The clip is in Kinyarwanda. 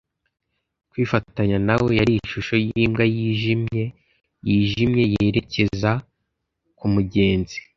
kwifatanya na we. yari ishusho yimbwa yijimye-yijimye yerekeza kumugenzi